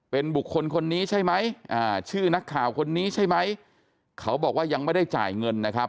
เป็นบุคคลคนนี้ใช่ไหมอ่าชื่อนักข่าวคนนี้ใช่ไหมเขาบอกว่ายังไม่ได้จ่ายเงินนะครับ